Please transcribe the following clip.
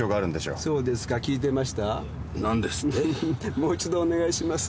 もう一度お願いします。